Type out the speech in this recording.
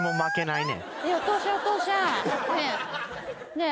ねえ。